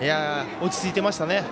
落ち着いてましたね。